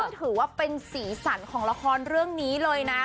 ถือว่าเป็นสีสันของละครเรื่องนี้เลยนะ